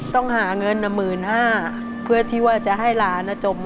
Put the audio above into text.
ต้องหาเงินหน้ามื่นห้าเพื่อที่ว่าจะให้หลานอ่ะจบม้อสาม